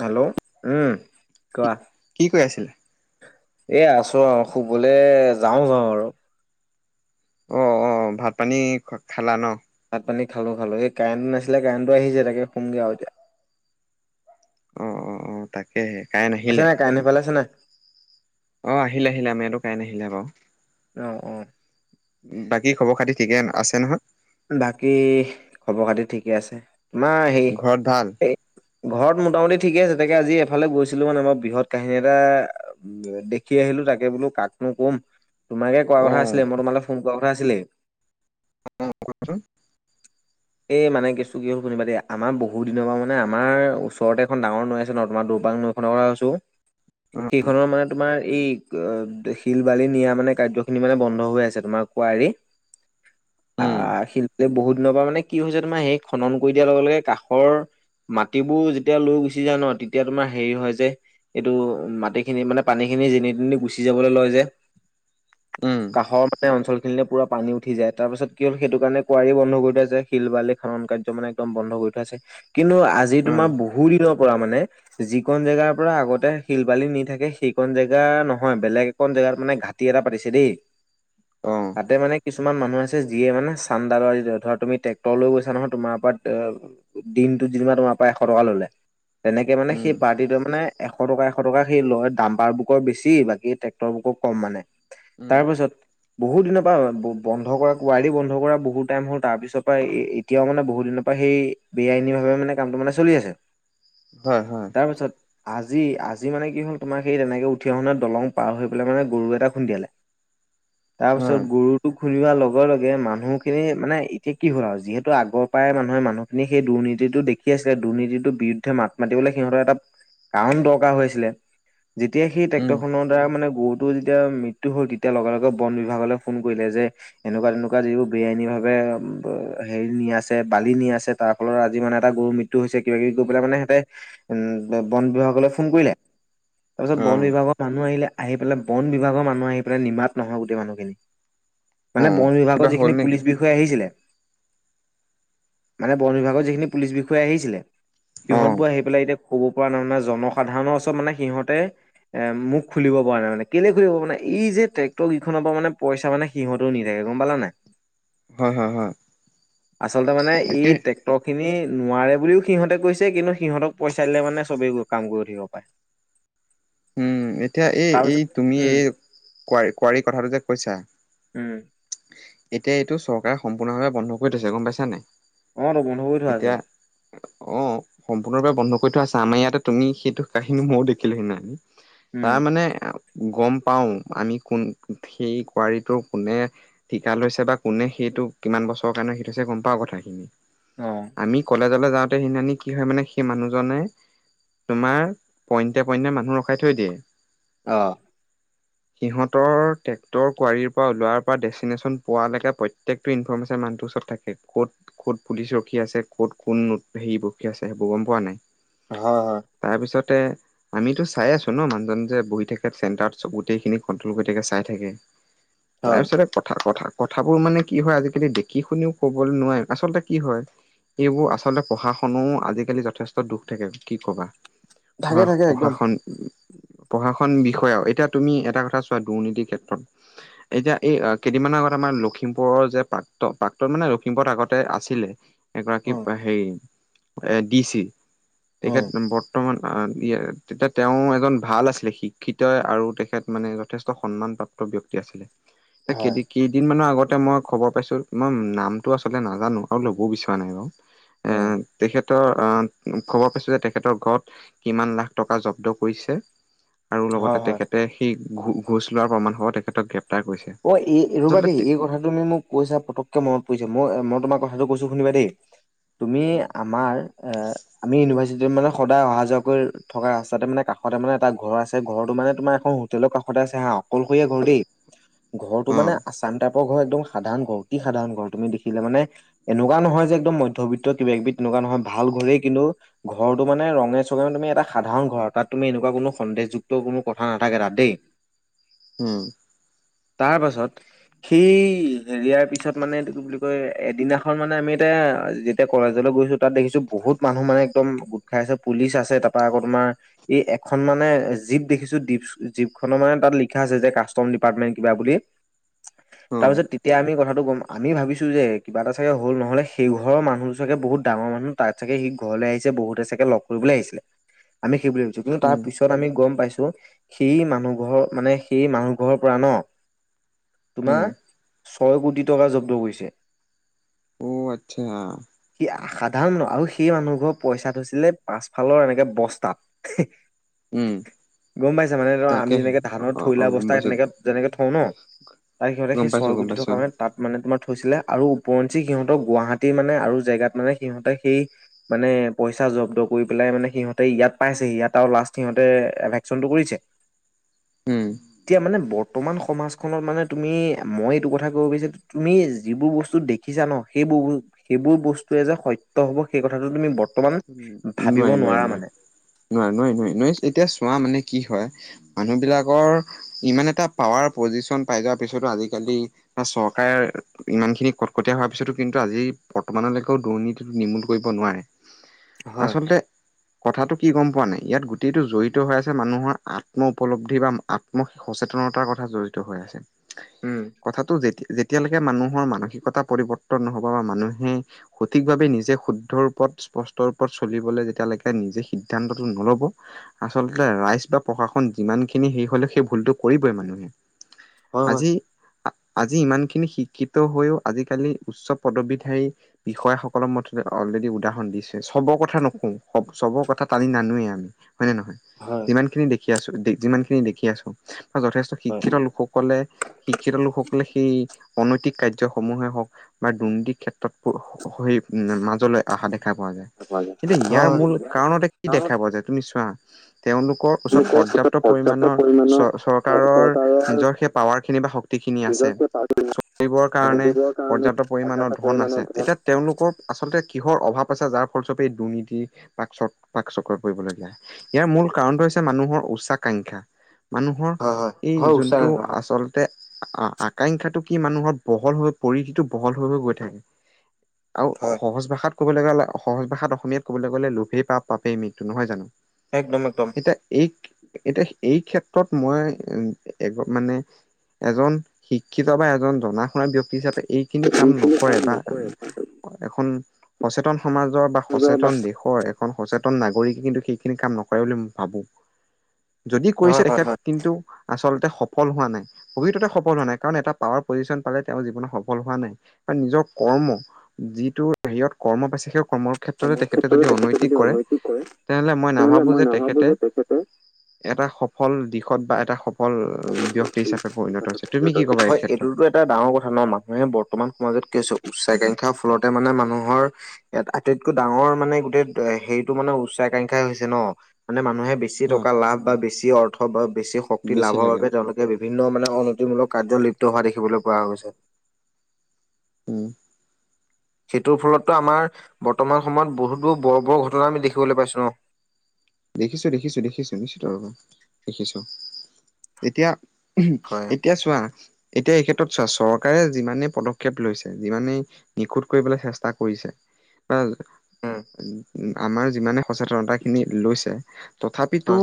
Hello, উম, কি কোৱা। কি কৈ আছিলে এ আছো আৰু শুবলৈ যাওঁ যাওঁ আৰু। অ, অ, ভাত পানী খালা ন। ভাত পানী খালো খালো এই কাৰেণ্টটো নাছিলে কাৰেণ্টটো আহিছে তাকে সোমগে আৰু এতিয়া। অ, অ, অ, তাকে। তাকেহে, কাৰেণ্ট আছে আহিলে? নাই কাৰেণ্ট সেইফালে আছে নাই অ', আহিলে আহিলে আমাৰ ইয়াতো কাৰেণ্ট আহিলে বাৰু। অ', অ'। কি খবৰ খাতি ঠিকে আছে নহয়? বাকী খবৰ খাতি ঠিকে আছে। মা হেই ঘৰত ভাল এই ঘৰত মোটামুটি ঠিকে আছে, তাকে আজি এফালে গৈছিলো মানে মই বৃহৎ কাহিনী এটা উম দেখি আহিলো তাকে বোলো কাক ক'ম। তোমাকে কোৱা অ কথা আছিলে, মই তোমালৈ ফোন কৰা কথা আছিলে। অ', কোৱাচোন। এ মানে কেচটো কি হ'ল শুনিবা দেই। আমাৰ বহুত দিনৰ পৰা মানে আমাৰ ওচৰতে এখন ডাঙৰ নৈ আছে ন। তোমাৰ দূ [unintelligible] নৈখনৰ কথা কৈছো। সেইখনৰ মানে তোমাৰ এই শিল বালি নিয়া মানে কাৰ্যখিনি মানে বন্ধ হৈ আছে তোমাৰ কুৱাৰী। উম আহ শিলটোৱে বহুত দিনৰ পৰা মানে কি হৈছে তোমাৰ সেই খনন কৰি দিয়াৰ লগে লগে কাষৰ মাটিবোৰ যেতিয়া লৈ গুচি যায় ন। তেতিয়া তোমাৰ হেৰি হয় যে এইটো মাটিখিনি মানে পানীখিনি যেনিয়ে তেনিয়ে গুচি যাবলৈ লয় যে। উম কাষৰ মানে অঞ্চল খিনিলে পানী উঠি যায়। তাৰপাছত কি হ'ল সেইটো কাৰণে কুঁৱাৰী বন্ধ কৰি থোৱা আছে। শিল বালি খনন কাৰ্য মানে একদম বন্ধ কৰি থোৱা আছে। কিন্তু আজি অ তোমাৰ বহু দিনৰ পৰা মানে, যি কণ জেগাৰ পৰা আগতে শিল বালি নি থাকে সেইকণ জেগা নহয় বেলেগ একণ জে জেগাত মানে ঘাটি এটা পাতিছে দেই। অ তাতে মানে কিছুমান মানুহ আছে যিয়ে মানে চান্দা [unintelligible] তুমি ত লৈ গৈছা নহয়। তোমাৰ পৰা দিনটোত যেনিবা তোমাৰ পৰা এশ টকা ল'লে। তেনেকে মানে উম সেই পাৰ্টিটোৱে মানে এশ টকা এশ টকা সেই লয়, ডাম্পাৰ বুকৰৰ বেছি বাকী ট্ৰেক্টৰ বুকো কম মানে। উম তাৰ পিছত বহুত দিনৰ পৰা বন্ধ কৰা কুৱাৰি বন্ধ কৰা বহুত টাইম হ'ল তাৰ পিছত এতিয়াও মানে বহু দিনৰ পৰা সেই বে আইনীভাৱে মানে কামটো মানে চলি আছে। হয়, হয়। তাৰপিছত আজি আজি মানে কি হ'ল তোমাৰ সেই তেনেকে উঠি অহোতে দলং পাৰ হৈ পেলাই মানে গৰু এটা খুন্দিয়ালে। [inaudible] তাৰ পিছত হয় গৰুটো খুন্দিওৱা লগে লগে মানুহখিনি মানে সেই কি হ'ল আৰু যিহেতু আগৰ পৰাই মানুহে মানুহখিনি সেই দুৰ্নীতিটো দেখি আছিলে দুৰ্নীতিটোৰ বিৰুদ্ধে মাত মাতিব সিহঁতৰ এটা কাৰণ দৰকাৰ হৈ আছিলে। যেতিয়া সেই উম ট্ৰেক্টৰখনৰ দ্বাৰা মানে গৰুটোৰ যেতিয়া মৃত্যু হ'ল। তেতিয়া লগে লগে বন বিভাগলৈ ফোন কৰিলে। যে এনেকুৱা তেনেকুৱা যিবোৰ বে আইনী ভাৱে হেৰি নি আছে বালি নি আছে। তাৰ ফলত আজি মানে এটা গৰুৰ মৃত্যু হৈছে কিবা কিবি কৈ পেলাই সিঁহতে উম, বন বিভাগলৈ ফোন কৰিলে। তাৰ পিছত অ বন বিভাগৰ মানুহ আহিলে। আহি পেলাই বন বিভাগৰ মানুহ আহি পেলাই নিমাত নহয় গোটেই মানুহখিনি। অ মানে বন কিবা বিভাগৰ হ'ল যিখিনি নেকি পুলিচ বিষয়া আহিছিলে! মানে বন বিভাগৰ যিখিনি পুলিচ বিষয়া আহিছিলে! অ সিহঁতবোৰ আহি পেলাই এতিয়া ক'ব পৰা নাই নহয়, মানে জনসাধাৰণৰ ওচৰত মানে সিহঁতে মুখ খুলিব পৰা নাই মানে। কেলেই খুলিব মানে এই যে ট্ৰেক্টৰ কেইখনৰ পৰা মানে পইচা মানে সিহঁতেও নি থাকে গম পালানে নাই? হয়, হয়, হয়। আচলতে মানে এই তাকে ট্ৰেক্টৰখিনি নোৱাৰে বুলিও সিহঁতে কৈছে। কিন্তু সিহঁতক পইচা দিলে মানে চবেই কাম কৰি উঠিব পাৰে। উম, এতিয়া এই এই তাৰপিছত তুমি উম এই কোৱাৰী কোৱাৰী কথাটো যে কৈছা। উম। এতিয়া এইটো চৰকাৰে সম্পূৰ্ণভাৱে বন্ধ কৰি থৈছে, গম পাইছা নাই। অ তো বন্ধ কৰি থোৱা আছে এতিয়া অ' সম্পূৰ্ণৰূপে বন্ধ কৰি থোৱা আছে। আমাৰ ইয়াতে তুমি সেইটো কাহিনী মইও দেখিলো সেই দিনা। উম তাৰ মানে গ'ম পাওঁ। আমি কোন সেই কুৱৰীটো কোনে ঠিকা লৈছে বা কোনে সেই টো কিমান বছৰৰ কাৰণে ৰাখি থৈছে গ'ম পাওঁ কথাখিনি। অ আমি কলেজ জলৈ যাওঁতে সিদিনাখনি কি হয় মানে সেই মানুহ জনে, তোমাৰ পইণ্টে পইণ্টে মানুহ ৰ খাই থৈ দিয়ে। অ'। সিহঁতৰ টেক্টৰ কুৱাঁৰীৰ পৰা ওলোৱাৰ পৰা ডেষ্টিনেশ্যন পোৱালেকে প্ৰত্যেকটো ইনফৰ্মেচন মানুটো ওচৰ থাকে। ক'ত ক'ত পুলিচ ৰখি আছে, ক'ত কোন নোট হেৰি [unintelligible] আছে সেইবোৰ গম পোৱা নাই। হয় হয়। তে আমিতোঁ চাই আছোঁ ন, মানুহজন যে বহি থাকে, চেণ্টাৰত চ গোটেইখিনি কন্ট্ৰল কৰি থাকে চাই থাকে। হয় তাৰপিছতে কথা কথা কথাবোৰ মানে কি হয় আজিকালি দেখি শুনিওঁ ক'বল নোৱাৰি। আচলতে কি হয় এইবোৰ আচলতে প্ৰশাসনওঁ আজিকালি যথেষ্ট দুখ থাকে। কি ক'বা থাকে পঢ়াস থাকে একদম প্ৰশাসন পশাসন বিষয়া [unintelligible] এতিয়া তুমি এটা কথা চোৱা দুৰ্নীতি ক্ষেত্ৰত এতিয়া এই আ, কেইদিনমানৰ আগত আমাৰ লখিমপুৰৰ যে প্ৰাক্ত প্ৰাক্তন মানে লখিমপুৰত আগতে আছিলে। এগৰাকী অ পা অ হেৰি এ, ডি চি। তেখেত বৰ্তমান আ, দিয়া তেতিয়া তেওঁ এ এজন ভাল আছিলে শিক্ষিত আৰু তেখেত মানে যথেষ্ট সন্মান প্ৰাপ্ত ব্যক্তি আছিলে। এ, হয় কেদি কেইদিন মান আগত তে মই খবৰ পাইছোঁ মই নামটো আচলতে নাজানোঁ আৰু ল'বও বিচৰা নাই বাৰু। এ, হয় তেখেত তৰ অ, খবৰ পাইছোঁ যে তেখেতৰ ঘৰত কিমান লাখ টকা জব্দ কৰিছে। আৰু হয় লগতে হয় তেখেতে সেই ঘো ঘোঁচ লোৱাৰ প্ৰমাণ সহ তেখেতক গেপ অ', এই এ, ৰ'বা দেই। এই কথা তুমি মোক কৈছাঁ পতককে মনত পৰিছে। মই মই তোমাৰ কথাটো কৈছোঁ শুনিবা দেই। তুমি অ' আমাৰ আ, আমি ইউনিভাৰ্চিটি [unintelligible] মানে সদায় অহা যোৱা কৰি থকা ৰাস্তাঁতে মানে কাষতে মানে এটা ঘৰ আছে। ঘৰটো মানে তোমাৰ এখন হোটেল কাষতে আছে হা অকলশৰীয়া ঘৰ দেই। [inaudible] ঘৰটো মানে উম আছাম টাইপ প ঘৰ। একদম সাধাৰণ ঘৰ অতি সাধাৰণ ঘৰ তুমি দেখিলে মানে, এনেকুৱা নহয় যে একদম মধ্যবিত্ত কিবাকিবি তেনে [unintelligible] নহয় ভাল ঘৰেই কিন্তু ঘৰটো মানে ৰঙে চঙে তুমি এটা সাধাৰণ ঘৰ। তাত তুমি এনেকুৱা কোনো সন্দেহযু যুক্ত কোনো কথা নাথাকে তাত দেই। উম। তাৰ পাছত সেই হেৰিয়াৰ পিছত মানে এইটোঁ কি বুলি কয়, এদিনাখন মানে আমি এটা [unintelligible] যেতিয়া কলেজলৈ গৈছোঁ তাত দেখিছোঁ বহুত মানুহ মানে একদম গোঁট খাই আছে, পুলিচ আছে তাৰ পা আকৌ তোমাৰ অ, এই এখন মানে জীপ দেখিছোঁ দীপ জীপখনৰ মানে তাত লিখা আছে যে কাষ্টম ডিপাৰ্টমেন্ট কিবা বুলি। অ' তাৰপিছত তেতিয়া আমি কথাঁত টো গম আমি ভাবিছোঁ যে কিবা এটা চাগে হ'ল নহ'লে সেই ঘৰ মানুহোঁ চাগে বহুত ডাঙৰ মানুহ, তাত চাগে সি ঘ লে আহিছে বহুতে চাগে লগ কৰিবলৈ আহিছিলে আমি সেই বুলি যদিওঁ তাৰ উম পিছত আমি গম পাইছোঁ, সেই মানুহ ঘৰ মানে সেই মানুহ ঘৰৰ পৰা ন। তোমাৰ উম ছয় কোটি টকা জব্দ কৰিছে। অ', আচ্ছা। সি সাধাৰণ ন আৰু সেই মানুহ ঘৰ পইচা থৈছিলে পাছফালৰ এনেকে বস্তাঁত। উম [unintelligible] গম পাইছাঁ মানে [unintelligible] আমি তাকেহে যেনেকে ধানৰ অ' থৈলা অ' গম বস্তাঁ পাইছো তেনেকে যেনেকে হ, তাৰ সিহঁতে গম সেই পাইছো ছয় গম গুটি পাইছো। থকা মানে তাত মানে তোমাৰ থৈছিলে আৰু ওপৰঞ্চি সিহঁতক গুৱাহাটীৰ মানে আৰু জেগাঁত মানে সিহঁতে সেই মানে পইচা জব্দ কৰি পেলাই মানে সিহঁতে ইয়াত পাইছেহি। ইয়াত আৰু লাষ্ট সিহঁতে ভেকচনটো কৰিছে। উম এতিয়া মানে বৰ্ত বৰ্তমান সমাজখনত মানে তুমি মই এইটো কথা ক'ব বিচা [unintelligible] তুমি যিবোৰ বস্তু দেখিছা ন সেইবো [unintelligible] সেইবোৰ বস্তুৱে যে সত্য হ'ব সেই কথাটো তুমি বৰ্তমান ভাবিব নোৱাৰি, নোৱাৰি, নোৱাৰা মানে। নোৱাৰি, নোৱাৰি, এতিয়া চোৱা মানে কি হয় মানুহবিলাকৰ ইমান এটা পাৱাৰ পজিশন পাই যোৱাৰ পিছতো আজিকালি বা চৰকাৰে ইমান খিনি কটকটীয়া হোৱাৰ পিছতো কিন্তু আজি বৰ্তমানলৈকেও দুৰ্নীতিটো নিৰ্মূল কৰিব। নোৱাৰে, হয় আচলতে। কথাটো কি গম পোৱা নাই ইয়াত গোটেইটো জড়িত হৈ আছে মানুহৰ আত্ম উপলব্ধি বা আত্ম সচেতন উপলব্ধি কথা জড়িত হৈ আছে উম কথাটো যেতিয়া যেতিয়ালৈকে মানুহৰ মানসিকতা পৰিৱৰ্তন নহব বা মানুহে সঠিকভাৱে নিজে শুদ্ধৰ ওপৰত স্পষ্টৰূ পথ ছোলিবলৈ নিজে সিদ্ধ্তটো নোলব আচলতে ৰাইজ বা পক্ষাষণ যি সেই হলে সেই ভুলতটো কৰিবই মানুহে হয় হয় আজি আজি ইমান খিনি শিক্ষিত হৈও আজিকালি উচ্চ পদবীধাৰী বিষয়াসকলৰ মতেতে অলৰেডি উদাহৰণ দিছোয়ে। সবৰ কথা নখো চবৰ কথা টানি নানোৱে আমি হয় নে নহয় হয় যিমান খিনি দে খি আছো যিমান খিনি দেখি আছো বা যথেষ্ট হয় শিক্ষিত লোকক সকলে শিক্ষিত লোকসকলে সেই অনৈতিক কাৰ্যয়সমূহে হওক বা দুৰ্নীতিক ক্ষেত্ৰত মাজলৈ আহা দেখা পোৱা যায়। হয়। এতিয়া ইয়াৰ মূল কাৰণতে কি গাঁৱত দেখা পোৱা যোয় তুমি চোৱা? তেওঁলোকৰ ওচৰত পৰ্যাপ্ত পৰিমাণৰ চ, চৰকাৰৰ নিজৰ সেই পাৱাৰ খিনি বা শক্তি নিজৰ সেই পাৰ্ট ছোলিবোৰ কাৰণে দিবৰ কাৰণে পৰাপ্ত পৰ্যাপ্ত পৰিমণৰ ধন আছে পৰিমাণৰ এতিয়া তেওঁলোকৰ আচলতে কিহৰ অভাৱ আছে যাৰ এই দুৰ্নীতিৰাকাক চক বা চক কৰিবলগীয়া ইয়াৰ মূল কাৰণটো হৈছে মানুহৰ উচাহ কাহ মানুহৰ হয় হয় এই হয় উচ্চাৰণ যোনটো হয়। আচলতে অ, আকাংক্ষাটো কি মানুহৰ বহল হৈ পৰিধিটো বহল হৈ, হৈ, গৈ থাকে। আৰু হয় সহজ ভাষাত ক'বলৈ গ'লে সহজ ভাষাত অসমীয়াত ক'বলৈ গ'লে লোভেই পাপ, পাপেই মৃত্যু নহয় জানো। একদম, একদম। এতিয়া এই এতিয়া এই ক্ষেত্ৰত মই মানে এজন শিক্ষিত বা এজন জনা শুনা ব্যাক্তি হিচাপে এইখিনি কাম নকৰে বা এখন সচেতন সমাজৰ বা বা সচেতন দেশৰ এখন সচেতন নতুন নাগৰিকে কিন্তু সেইখিনি কাম নকৰে বুলি মই ভাবো। যদি কৰিছে হয় হয় তেখেত হয়। কিন্তু আচলতে সফল হোৱা নাই ভ্ৰতে সফল হোৱা নাই কাৰণ এটা পাৱাৰ পজিশন পালে তেওঁৰ জীৱনত সফল হোৱা নাই কাৰণ নিজৰ কৰ্ম যিটো, হেয়ত কৰ্ম পাইছে। সেই কৰ্মৰ ক্ষেত্ৰতে তেখেতে যদি অনৈতিক কৰে তেনেহলে মই নাভাবোঁ যে তেখেতে এটা সফল দিশত বা এটা সফ তুমি কি ক'বা এই হয়, ক্ষেত্ৰত এইটোতো এটা ডাঙৰ কথা ন মানুহে বৰ্তমান মাজত কি উচ্চাকাংক্ষা ফলতে মানে মানুহৰ এ, আটাইতকৈ ডাঙৰ মানে গোটেই হেৰি এইটো মানে উচ্চ আকাংক্ষাই হৈছে ন মানে মানুহে বেছি হা টকা লাভ বা বেছি অৰ্থ বা বেছি শক্তি বেছি লাভৰ লাগে বাবে তেওঁলোকে বিভিন্ন মানে মূলক কাৰ্য লিপ্ত হোৱা দেখিবলৈ পোৱা গৈছে [inaudible] অ'। সেইটোৰ ফলতো আমাৰ বৰ্তমান সময়ত বহুতোৰ বৰ, বৰ ঘটনা আমি দেখিবলৈ পাইছো ন। [unintelligible] দেখিছো, দেখিছো, দেখিছো নিশ্চ ৰব দেখিছো এতিয়া হয় এতিয়া চোৱা? এতিয়া এই ক্ষেত্ৰত চোৱা চৰকাৰে যিমানেই পদক্ষেপ লৈছে যিমানেই নিখুধ কৰিবলৈ চেষ্টা কৰিছে। বা উম আমাৰ যিমানে সচেতনতা খিনি লৈছে। তথাপিতো হয়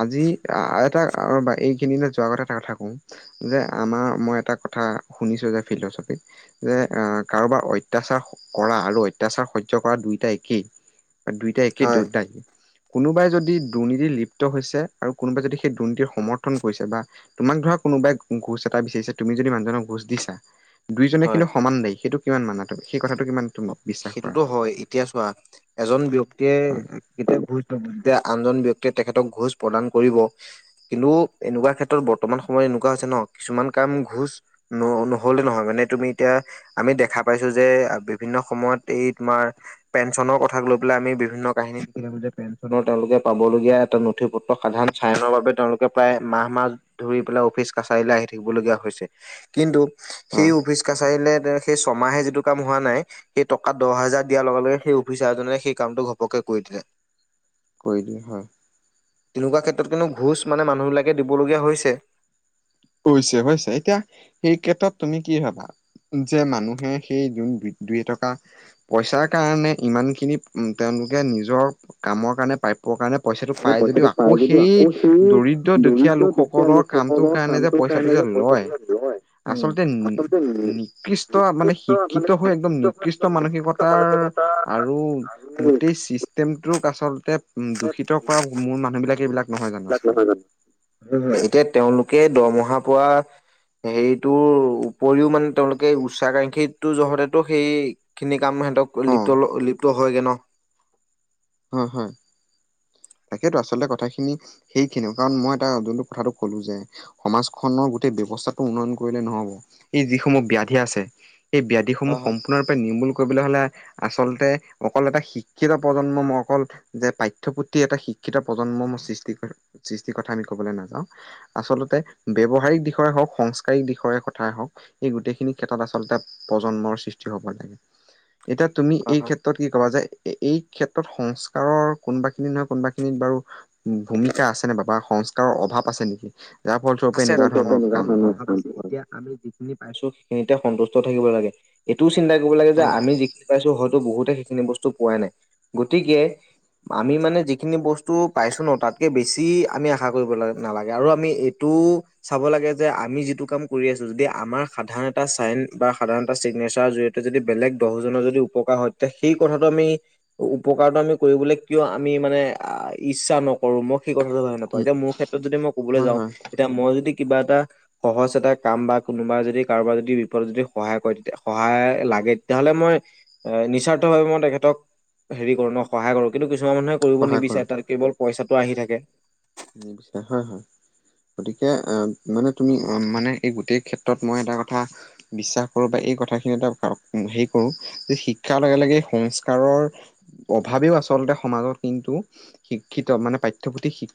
আজি এটা এইখিনি না যোৱাৰ আগতে এটা কথা কওঁ যে আমাৰ মই এটা কথা কাৰোবাৰ অতচাৰ কৰা আৰু অতাচাৰ বা দুইটা একেই বা দুইটা একেই হয় দুইটা কোনোবাই যদি দুৰ্নীতিত লিপ্ত হৈছে আৰু কোনোবাই যদি সেই দুৰ্নীতিৰ সমৰ্থন কৰিছে বা তোমাক ধৰক কোনোবাই ঘোছ এটা বিচাৰিছে তুমি যদি মানুহজনক ঘোচ দিছা দুইজনে হয় কিন্তু সমান দায়ী, সেইটো কিমান মানা তুমি? কথাটো কিমান তুমি বিশ্বাস কৰা সেইটোতো হয় এতিয়া চোৱা এজন ব্যক্তি হয় তীকে ঘোজ দে যেতিয়া আনজন ব্যক্তিয়ে তেখেতক ঘোজ প্ৰদান কৰিব কিন্তু এনেকুৱা ক্ষেত্ৰত বৰ্তমান সময় এনেকুৱা আ, হৈছে ন' কিছুমান কাম ঘোচ ন-নহ'লে নহয় মানে তুমি এতিয়া আমি দেখা পাইছোঁ যে আ বিভিন্ন সময়ত এই তোমাৰ পেঞ্চনৰ কথাক লৈ পেলাই আমি বিভিন্ন কাহিনী শুনি থাকো যে, পেঞ্চনৰ তেওঁলোকে পাবলগীয়া এটা নথি পত্ৰ সাধাৰন চাইনৰ বাবে তেওঁলোকে প্ৰায় মাহ মাহ ধৰি পেলাই অফিচ কাছাৰী লৈ আহি থাকিবলগীয়া হৈছে, কিন্তু হয় সেই অফিচ কাছাৰীলে সেই ছমাহে যিটো কাম হোৱা নাই সেই টকা দহ হাজাৰ দিয়াৰ লগে লগে সেই অফিচাৰজনে সেই কামটো ঘপকে কৰি দিলে। কৰি দিয়ে হয়। তেনেকুৱা ক্ষেত্ৰত কিন্তু ঘোঁচ মানে মানুহবিলাকে দিবলগীয়া হৈছে। হৈছে হৈছে। এতিয়া সেই ক্ষেত্ৰত তুমি কি ভাবা? যে মানুহে সেই যোন দুই এটকা পইচাৰ কাৰণে ইমানখিনি তেওঁ লোকে নিজৰ কামৰ কাৰণে প্ৰাপ্যৰ কাৰণে পইচাটো যে পাই যদিও পইচাটো আকৌ পাই যদিও সেই আকৌ সেই দৰিদ্ৰ দুখীয়া লোকসকলৰ কামটোৰ কাৰণে যে পইচাটো যে এনেকে পইচাটো লয় লাগিব হয়। আচলতে নি-নিকৃষ্ট মানে নিকৃষ্ট মানে শিক্ষিত হৈ একদম শিক্ষিত হোৱা নিকৃষ্ট একদম নিকৃষ্ট মানসিকতাৰ ধৰ মানসিকতা আৰু আৰু গোটেই চিষ্টেমটোক আচলতে দূষিত কৰা মূল মানুহ বিলাক এইবিলাক নহয় জানো আচলতে নহয় জানো, এতিয়া তেওঁলোক কে দৰমহা পোৱা হেৰিটোৰ উপৰিও মানে তেওঁলোকে উষা কাংখীটো জহতেতো সেইখিনিক কাম সিহঁতক অ লিপ্ত-লিপ্ত হয়গে ন'। হু, হু। [inaudible] তাকেইেতো, আচলতে কথাখিনি সেইখিনিও কাৰণ মই এটা যোনটো কথাটো কলো যে সমাজখনৰ গোটেই অৱস্থাটো উন্নয়ন কৰিলে নহ'ব, এই যিসমূহ ব্যাধি হয় আছে এই ব্যাধিসমূহ হয় হয় সম্পূৰ্ণৰূপে নিৰ্মূল কৰিব হ'লে আচলতে অকল এটা শিক্ষিত প্ৰজন্ম অকল যে পাঠ্যপুথি এটা শিক্ষিত প্ৰজন্মৰ সৃষ্টি-সৃষ্টিৰ কথা আমি কবলৈ নাযাওঁ আচলতে ব্যৱহাৰিক দিশৰে হওক, সংস্কাৰিক দিশৰে কথাই হওক এই গোটেইখিনি ক্ষেত্ৰত আচলতে প্ৰজন্মৰ সৃষ্টি হ'ব লাগে। এতিয়া তুমি এই হয়। ক্ষেত্ৰত কি ক'বা যে এই ক্ষেত্ৰত সংস্কাৰৰ কোনোবাখিনি নহয় কোনোবাখিনিত বাৰু ভূমিকা আছে নে বা বা সংস্কাৰৰ অভাৱ আছে নেকি? যাৰ ফলস্বৰূপে আছে এনেকুৱা ধৰণৰ [unintelligible] কাম হয়। এতিয়া আমি যিখিনি পাইছোঁ সিঁহতে সন্তুষ্ট থাকিব লাগে। এইটোও চিন্তা কৰিব লাগে যে উম, আমি যিখিনি পাইছোঁ বহুতে সেইখিনি বস্তু পোৱাই নাই। গতিকে আমি মানে যিখিনি বস্তু পাইছোঁ ন' তাতকে বেছি আমি আশা কৰিব নালাগে আৰু আমি এই টোও চাব লাগে যে আমি যিটো কাম কৰি আছোঁ যদি আমাৰ সাধাৰণ এটা চাইন বা সাধাৰণ এটা চিগনে নেচাৰ জৰিয়তে যদি বেলেগ দহজনৰ যদি উপকাৰ হয় তেতিয়া সেই কথাটো আমি উপকাৰটো আমি কৰিবলৈ কিয় আমি মানে ইচ্ছা নকৰোঁ। মই সেই কথাটো ভাবি নাপাওঁ, এতিয়া মোৰ ক্ষেত্ৰত যদি মই কবলৈ হয় যাওঁ হয় এতিয়া মই যদি কিবা এটা সহজ এটা কাম বা কোনোবা যদি কাৰোবাৰ যদি বিপদত যদি সহায় কৰে তে সহায় লাগে তেতিয়াহ'লে মই আ, নিৰস্বাৰ্ত ভাবে মই তেখেতক হেৰি কৰিম মই সহায় কৰোঁ কিন্তু কিছু কিছুমান মানুহে কৰিব সহায় নিবিচাৰে কৰোঁ। তাৰ কেৱল পইচাটো আহি থাকে। নিবিচাৰে, হয় হয়। গতিকে আ, মানে তুমি মানে এই গোটেই ক্ষেত্ৰত মই এটা কথা বিশ্বাস কৰোঁ বা এ এই কথাখিনি এটা হেৰি কৰো যে শিক্ষাৰ লগে লগে সংস্কাৰৰ অভাৱেও আচলে আচলতে সমাজত কিন্তু শিক্ষিত মানে পাঠ্যপুথি শি